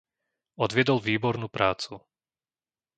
Odviedol výbornú prácu.